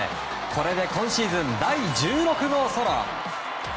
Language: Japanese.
これで今シーズン第１６号ソロ！